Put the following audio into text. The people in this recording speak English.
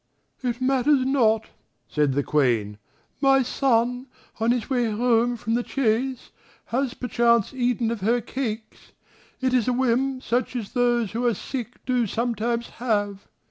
"It matters not," said the Queen; "my son, on his way home from the chase, has perchance eaten of her cakes; it is a whim such as those who are sick do sometimes have.